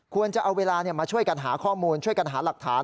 ควรจะเอาเวลามาช่วยกันหาข้อมูลช่วยกันหาหลักฐาน